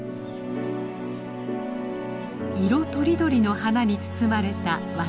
色とりどりの花に包まれた渡利地区。